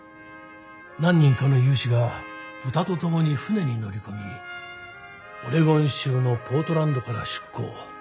何人かの有志が豚と共に船に乗り込みオレゴン州のポートランドから出港。